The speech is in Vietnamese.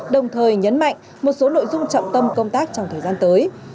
đồng thời nhấn mạnh một số nội dung trọng tâm công tác trong thời gian tới